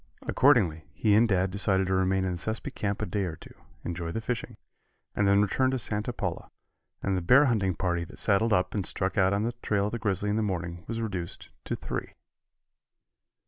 Accordingly, he and Dad decided to remain in the Sespe camp a day or two, enjoy the fishing, and then return to Santa Paula, and the bear hunting party that saddled up and struck out on the trail of the grizzly in the morning was reduced to three.